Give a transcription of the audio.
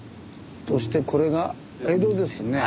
そしてこれが「江都」ですね。